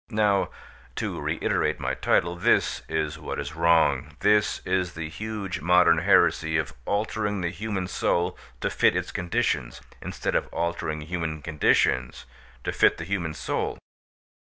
Now (to reiterate my title) this is what is wrong. This is the huge modern heresy of altering the human soul to fit its conditions, instead of altering human conditions to fit the human soul.